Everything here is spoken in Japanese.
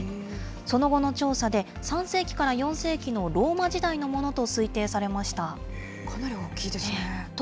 その後の調査で、３世紀から４世紀のローマ時代のものと推定されかなり大きいですね。